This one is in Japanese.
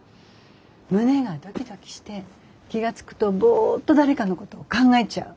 胸がドキドキして気が付くとボーッと誰かのことを考えちゃう。